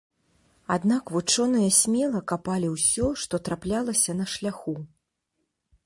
Аднак вучоныя смела капалі ўсё, што траплялася на шляху.